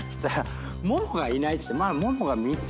ももがいないっつって。